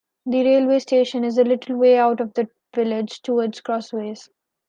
The railway station is a little way out of the village, towards Crossways.